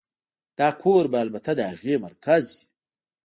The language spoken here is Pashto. دا کور به البته د هغې مرکز وي